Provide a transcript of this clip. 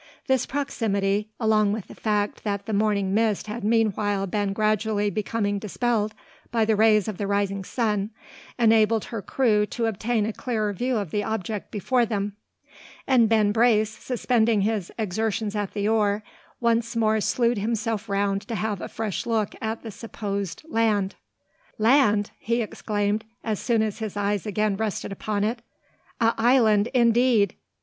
This proximity, along with the fact that the morning mist had meanwhile been gradually becoming dispelled by the rays of the rising sun, enabled her crew to obtain a clearer view of the object before them; and Ben Brace, suspending his exertions at the oar, once more slewed himself round to have a fresh look at the supposed land. "Land!" he exclaimed, as soon as his eyes again rested upon it. "A island, indeed!